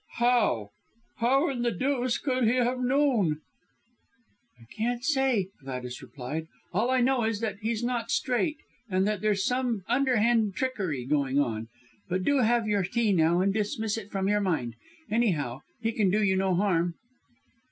"How? How the deuce could he have known?" "I can't say," Gladys replied. "All I know is, that he's not straight, and that there's some underhand trickery going on. But do have your tea now, and dismiss it from your mind. Anyhow, he can do you no harm."